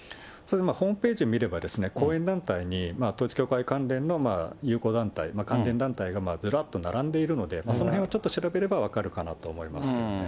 ホームページ見れば、後援団体に、統一教会関連の友好団体、関連団体がずらっと並んでいるので、そのへんをちょっと調べれば分かるかなと思いますけどもね。